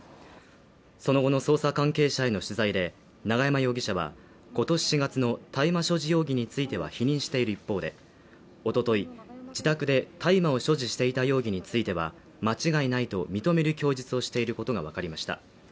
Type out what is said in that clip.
その後の捜査関係者への取材で、永山容疑者は今年４月の大麻所持容疑については否認している一方で、おととい自宅で大麻を所持していた容疑については間違いないと認める供述をしていることがわかりました。